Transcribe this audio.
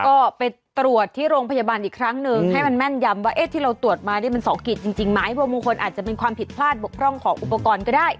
ก็ไปตรวจที่โรงพยาบาลอีกครั้งหนึ่งให้มันแม่นยำว่าเอ๊ะที่เราตรวจมานี่มัน๒กิจจริงไหมพวกมงคลอาจจะเป็นความผิดพลาดบกพร่องของอุปกรณ์ก็ได้